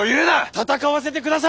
戦わせてくだされ！